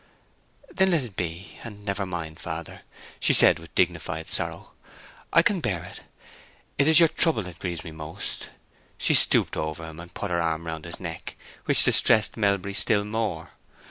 "Then let it be, and never mind, father," she said, with dignified sorrow. "I can bear it. It is your trouble that grieves me most." She stooped over him, and put her arm round his neck, which distressed Melbury still more.